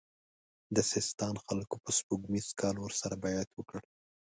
د سیستان خلکو په سپوږمیز کال ورسره بیعت وکړ.